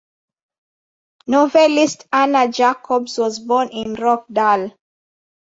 Novelist Anna Jacobs was born in Rochdale.